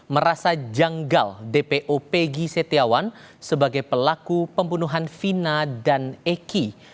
merasa janggal dpo pegi setiawan sebagai pelaku pembunuhan vina dan eki